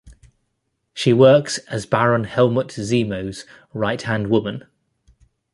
She works as Baron Helmut Zemo's right-hand woman.